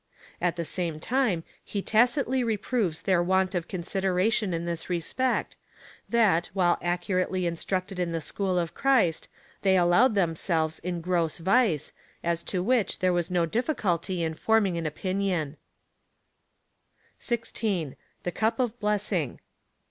At the same time, he tacitly reproves their want of considera tion in this respect, that, while accurately instructed in the school of Christ, they allowed themselves in gross vice, as to which there was no difficulty in forming an opinion. 16. The cup of blessing.